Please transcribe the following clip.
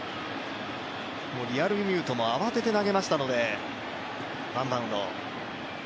リアルミュートも慌てて投げましたのでワンバウンド。